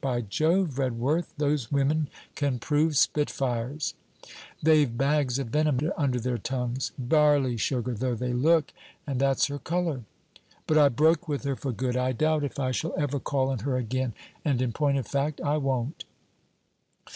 By Jove! Redworth, those women can prove spitfires. They've bags of venom under their tongues, barley sugar though they look and that's her colour. But I broke with her for good. I doubt if I shall ever call on her again. And in point of fact, I won't.'